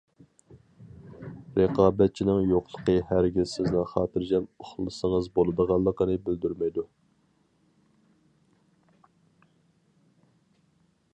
رىقابەتچىنىڭ يوقلۇقى ھەرگىز سىزنىڭ خاتىرجەم ئۇخلىسىڭىز بولىدىغانلىقىنى بىلدۈرمەيدۇ.